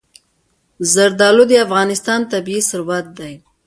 زردالو د افغانستان طبعي ثروت دی.